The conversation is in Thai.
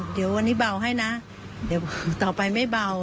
เดี๋ยววันนี้เบาให้นะเดี๋ยวต่อไปไม่เบา